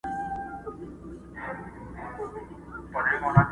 هم په تېښته کي چالاک هم زورور وو٫